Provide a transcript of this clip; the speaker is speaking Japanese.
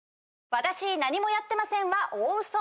「私何もやってません」は大嘘！